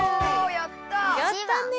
やったね！